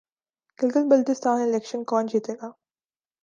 Gilgit Baltistan election کون جیتےگا